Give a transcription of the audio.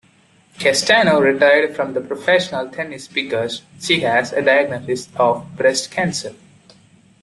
Castano retired from professional tennis because she has a diagnosis of breast cancer.